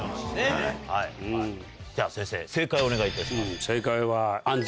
では先生正解をお願いいたします。